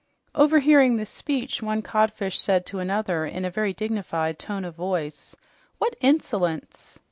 Overhearing this speech, one codfish said to another in a very dignified tone of voice, "What insolence!"